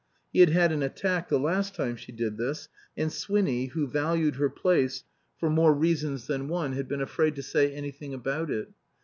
He had had an "attack" the last time she did this, and Swinny, who valued her place for more reasons than one, had been afraid to say anything about it.